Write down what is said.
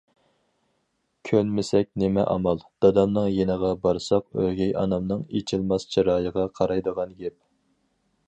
كۆنمىسەك نېمە ئامال، دادامنىڭ يېنىغا بارساق ئۆگەي ئانامنىڭ ئېچىلماس چىرايىغا قارايدىغان گەپ.